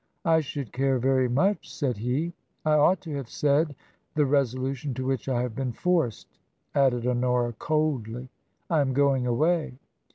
" I should care very much," said he. " I ought to have said the resolution to which I have been forced," added Honora, coldly. "I am going away."